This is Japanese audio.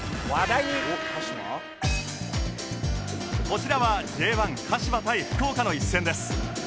こちらは Ｊ１ 鹿島対福岡の一戦です